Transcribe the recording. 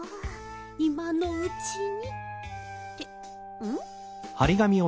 いまのうちにってん？